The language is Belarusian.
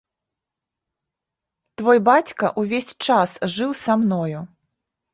Твой бацька ўвесь час жыў са мною.